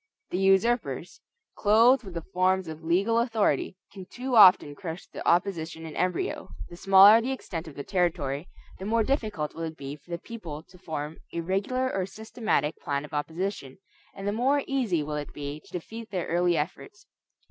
The usurpers, clothed with the forms of legal authority, can too often crush the opposition in embryo. The smaller the extent of the territory, the more difficult will it be for the people to form a regular or systematic plan of opposition, and the more easy will it be to defeat their early efforts.